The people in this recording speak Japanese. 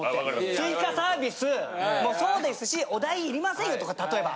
追加サービスもそうですしお代いりませんよとか例えば。